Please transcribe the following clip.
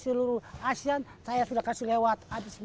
seluruh asean saya sudah kasih lewat